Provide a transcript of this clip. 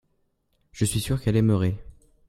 je suis sûr qu'elle aimerait.